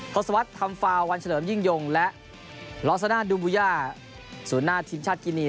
ทศวรรษธรรมฟาววันเฉลิมยิ่งยงและลอสนาดูมบุญญาสุนหน้าชินชาติกินี